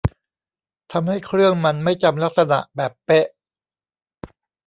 ทำให้เครื่องมันไม่จำลักษณะแบบเป๊ะ